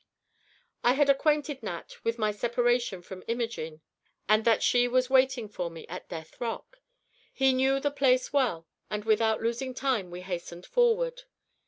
I had acquainted Nat with my separation from Imogene, and that she was waiting for me at "Death Rock." He knew the place well and without losing time we hastened forward.